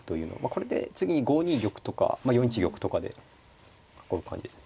これで次に５二玉とか４一玉とかで囲う感じです。